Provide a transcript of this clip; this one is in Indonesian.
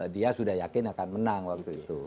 dia sudah yakin akan menang waktu itu